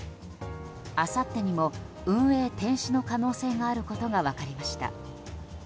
あさってにも運営停止の可能性があることが分かりました。